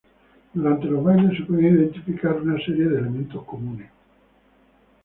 Durante los bailes se pueden identificar una serie de elementos comunes.